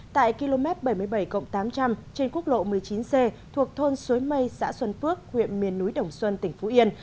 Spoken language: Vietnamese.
tại km bảy mươi bảy tám trăm linh trên quốc lộ một mươi chín c thuộc thôn suối mây xã xuân phước huyện miền núi đồng xuân tỉnh phú yên